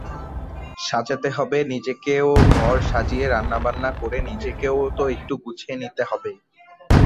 সাজাতে হবে নিজেকেওঘর সাজিয়ে রান্নাবান্না করে নিজেকেও তো একটু গুছিয়ে নিতে হবে।